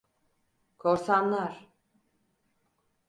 Korsanlar…